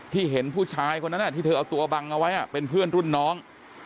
เห็นผู้ชายคนนั้นที่เธอเอาตัวบังเอาไว้เป็นเพื่อนรุ่นน้อง